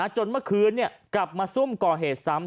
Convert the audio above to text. จนเมื่อคืนกลับมาซุ่มก่อเหตุซ้ำ